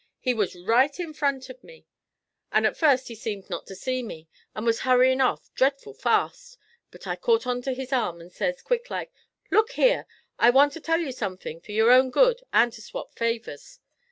He was right in front of me, and at first he seemed not to see me, and was hurryin' off dretful fast, but I caught on to his arm and says, quick like: "Look here; I want to tell you somethin' fer your own good and to swap favers."